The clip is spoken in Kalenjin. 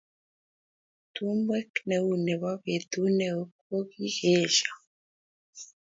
Tumwek neu nebo betut neo kokikiesho